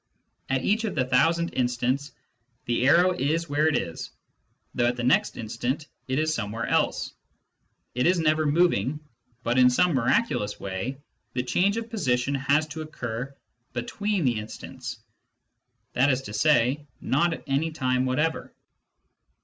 At each of the thousand instants, the arrow is where it is, though at the next instant it is somewhere else. It is never moving, but in some miraculous way the change of position has to occur between the instants, that is to say, not at any time whatever.